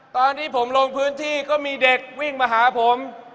ตอนที่ผมลงพื้นที่ก็มีเด็กวิ่งมาหาผม